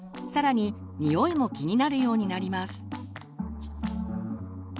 更ににおいも気になるようになります。